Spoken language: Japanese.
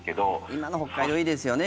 今の北海道、いいですよね